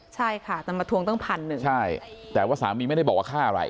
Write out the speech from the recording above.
ใช่ค่ะแต่มาทวงตั้งพันหนึ่งใช่แต่ว่าสามีไม่ได้บอกว่าค่าอะไร